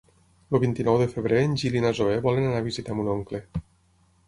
El vint-i-nou de febrer en Gil i na Zoè volen anar a visitar mon oncle.